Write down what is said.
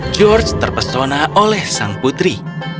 george terpesona oleh sang putri